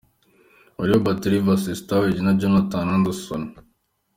Mario Balotelli Vs Sturridge na Jordan Henderson.